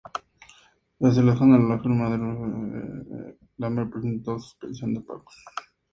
Tras el escándalo, la firma Drexel Burnham Lambert presentó suspensión de pagos.